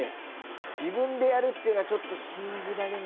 自分でやるっていうのはちょっと信じられないんですよね。